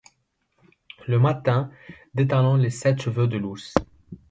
Le matin dételant les sept chevaux de l’Ourse- ?